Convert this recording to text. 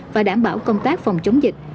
và đảm bảo công tác phòng chống dịch